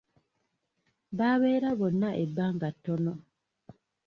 Baabeera bonna ebbanga ttono.